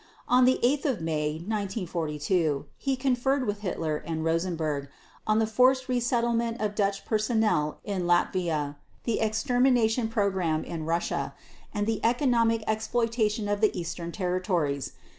And on 8 May 1942 he conferred with Hitler and Rosenberg on the forced resettlement of Dutch personnel in Latvia, the extermination program in Russia, and the economic exploitation of the Eastern territories.